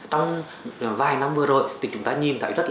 trong vài năm vừa rồi thì chúng ta nhìn thấy